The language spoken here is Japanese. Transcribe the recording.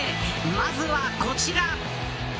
まずはこちら。